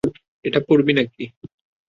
এটা পড়বি নাকি?